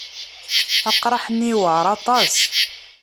Aqraḥ-nni yewɛeṛ aṭas.